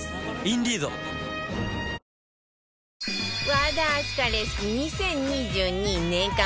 和田明日香レシピ２０２２年間